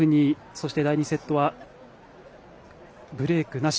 そして第２セットはブレークなし。